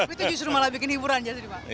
itu justru malah bikin hiburan ya tadi pak